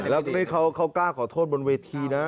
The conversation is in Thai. แล้วเขากล้าขอโทษบนเวทีนะ